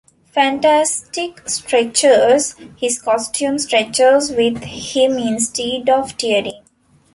Fantastic stretches, his costume stretches with him instead of tearing.